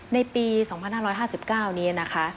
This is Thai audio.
ในปี๒๕๕๙นี้นะคะ